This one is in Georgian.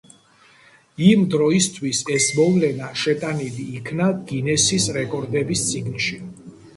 იმ დროისთვის ეს მოვლენა შეტანილი იქნა გინესის რეკორდების წიგნში.